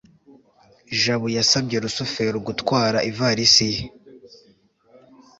jabo yasabye rusufero gutwara ivalisi ye